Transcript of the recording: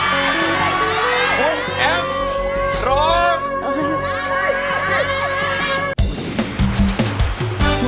พี่เฒียด